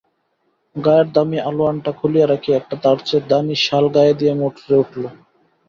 গায়ের দামি আলোয়ানটা খুলিয়া রাখিয়া একটা তার চেয়ে দামি শাল গায়ে দিয়া মোটরে উঠিল।